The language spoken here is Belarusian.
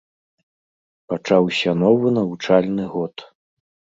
Пачаўся новы навучальны год.